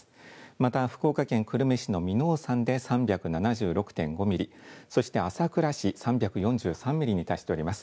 また福岡県久留米市の耳納山で３７６．５ミリ、そして朝倉市３４３ミリに達しております。